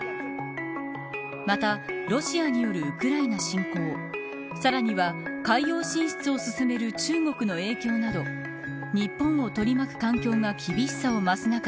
またロシアによるウクライナ侵攻さらには、海洋進出を進める中国の影響など日本を取り巻く環境が厳しさを増す中